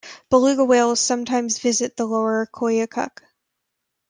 Beluga whales sometimes visit the lower Koyukuk.